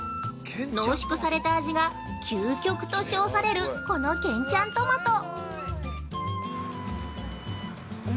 濃縮された味が究極と称されるこの「健ちゃんトマト」。